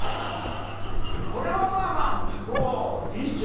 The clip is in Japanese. これはまあまあもうＤＩＳＨ／／